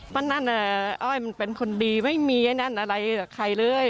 เพราะฉะนั้นอ้อยมันเป็นคนดีไม่มีไอ้นั่นอะไรกับใครเลย